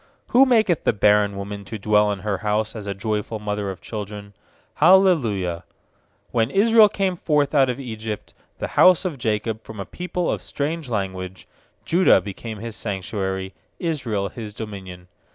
Who maketh the barren woman to dwell in her house As a joyful mother of children. Hallelujah. When Israel came forth out of Egypt, The house of Jacob from a people of strange language; 2Judah became His sanctuary, Israel His dominion.